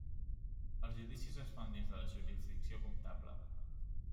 Els judicis es fan dins de la jurisdicció comptable.